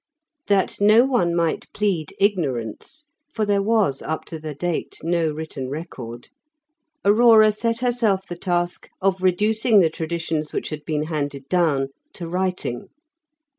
That no one might plead ignorance (for there was up to the date no written record) Aurora set herself the task of reducing the traditions which had been handed down to writing.